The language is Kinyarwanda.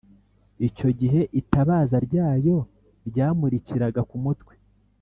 Icyo gihe itabaza ryayo ryamurikiraga ku mutwe.